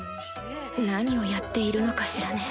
何をやっているのかしらね